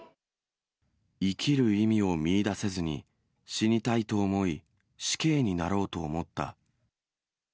生きる意味を見いだせずに死にたいと思い、死刑になろうと思った。